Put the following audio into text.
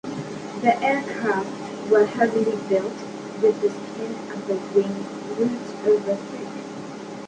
The aircraft were heavily built, with the skin at the wing roots over thick.